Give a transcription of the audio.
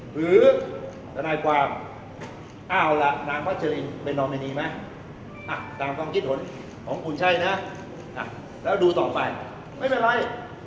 หรือตัวนายกวามอ้าวละนางพระเจริญเป็นน้องในนี้ไหมอ่ะตามความคิดหลุนของคุณใช่นะอ่ะแล้วดูต่อไปไม่เป็นไร